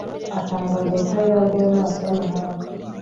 atangaza ubutabera bwe mu maso y'amahanga